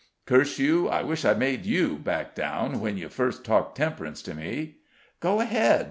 "Curse you! I wish I'd made you back down when you first talked temperance to me." "Go ahead!